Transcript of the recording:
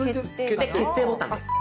決定ボタンです。